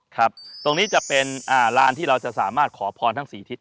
ครับตรงนี้จะเป็นลานที่เราจะสามารถขอพรทั้ง๔ทิศ